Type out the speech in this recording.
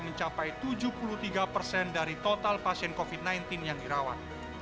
mencapai tujuh puluh tiga persen dari total pasien covid sembilan belas yang dirawat